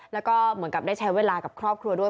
แล้วก็เหมือนกับได้ใช้เวลากับครอบครัวด้วย